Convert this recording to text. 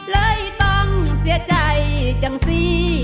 เลยต้องเสียใจจังสิ